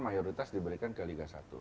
mayoritas diberikan ke liga satu